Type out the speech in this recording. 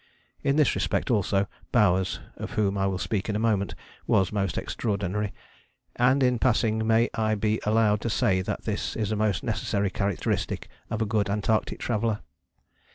In this respect also Bowers, of whom I will speak in a moment, was most extraordinary, and in passing may I be allowed to say that this is a most necessary characteristic of a good Antarctic traveller?